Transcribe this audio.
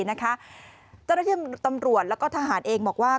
เจ้าหน้าที่ตำรวจแล้วก็ทหารเองบอกว่า